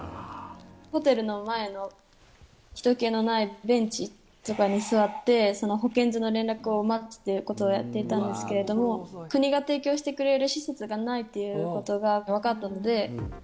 ホテルの前のひと気のないベンチとかに座って、保健所の連絡を待つということをやっていたんですけれども、国が提供してくれる施設がないということが分かったので。